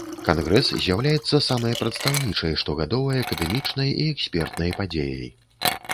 Кангрэс з'яўляецца самай прадстаўнічай штогадовай акадэмічнай і экспертнай падзеяй.